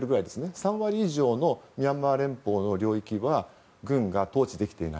３割以上のミャンマー連邦の領域は軍が統治できていない。